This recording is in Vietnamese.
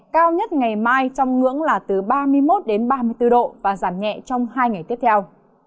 cao nhất ngày mai trong ngưỡng là từ ba mươi một ba mươi bốn độ và giảm nhẹ trong hai ngày tiếp theo